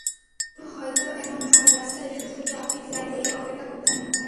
আমিও হয়তো এমন ফাঁকা রাস্তায় শুধু ট্রাফিক লাইট দেখে অপেক্ষা করতাম না।